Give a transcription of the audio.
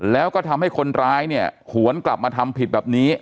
แล้วก็ทำให้คนร้ายเนี่ยหวนกลับมาทำผิดแบบนี้